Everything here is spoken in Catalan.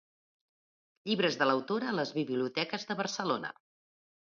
Llibres de l'autora a les Biblioteques de Barcelona.